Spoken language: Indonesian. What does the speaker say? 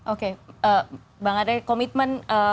oke bang ade komitmen